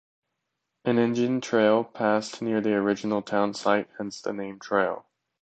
An Indian trail passed near the original town site, hence the name Trail.